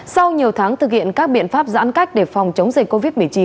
sau nhiều tháng thực hiện các biện pháp giãn cách để phòng chống dịch covid một mươi chín